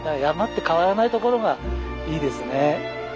山って変わらないところがいいですね。